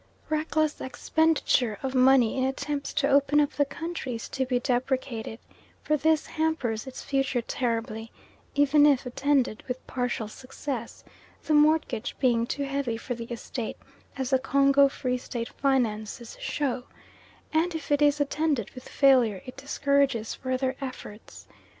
Reckless expenditure of money in attempts to open up the country is to be deprecated, for this hampers its future terribly, even if attended with partial success, the mortgage being too heavy for the estate, as the Congo Free State finances show; and if it is attended with failure it discourages further efforts.